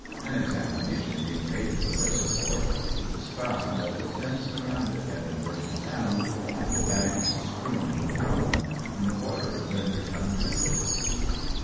An examination being made of the reservoir, it was found that the fence round it had been broken down and the banks strewn with alum, and the water rendered undrinkable.